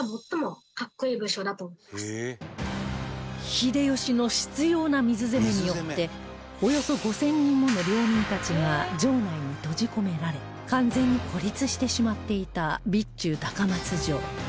秀吉の執拗な水攻めによっておよそ５０００人もの領民たちが城内に閉じ込められ完全に孤立してしまっていた備中高松城